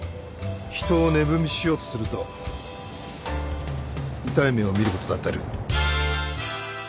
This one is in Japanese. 人を値踏みしようとすると痛い目を見ることだってある